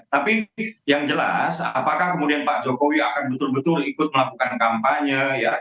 tapi yang jelas apakah kemudian pak jokowi akan betul betul ikut melakukan kampanye